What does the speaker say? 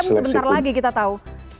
sebentar lagi kita tahu